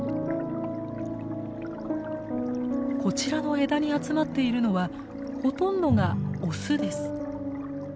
こちらの枝に集まっているのはほとんどがオスです。